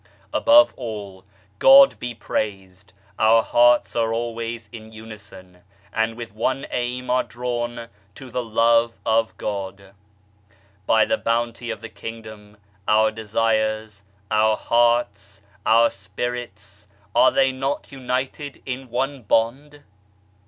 Above all, God be praised, our hearts are always in unison, and with one aim are drawn to the Love of God. By the Bounty of the Kingdom our desires, our hearts, our spirits, are they not united in one bond